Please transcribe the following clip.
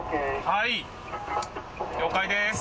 はい了解です。